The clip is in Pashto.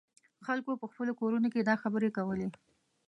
خلکو په خپلو کورونو کې دا خبرې کولې.